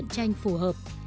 truyện tranh phù hợp